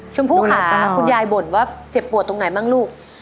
ชมพู่ขาดคุณยายบ่นว่าเจ็บปวดตรงไหนบ้างลูก